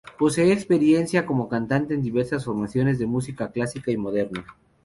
Posee experiencia como cantante en diversas formaciones de música clásica y moderna.